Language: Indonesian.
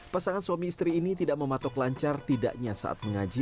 pasangan suami istri ini tidak mematok lancar tidaknya saat mengaji